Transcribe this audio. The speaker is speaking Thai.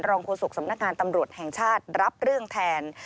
โฆษกสำนักงานตำรวจแห่งชาติรับเรื่องแทน